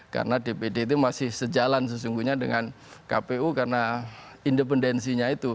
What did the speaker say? karena dpd itu masih sejalan sesungguhnya dengan kpu karena independensinya itu